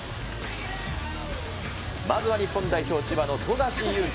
まずは日本代表、千葉の富樫勇樹。